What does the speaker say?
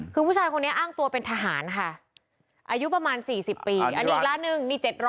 คือผู้ชายคนนี้อ้างตัวเป็นทหารค่ะอายุประมาณ๔๐ปีอันนี้อีกล้านหนึ่งนี่๗๐๐